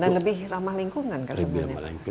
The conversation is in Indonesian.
dan lebih ramah lingkungan kan sebenarnya